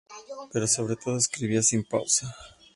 Pero sobre todo escribía sin pausa.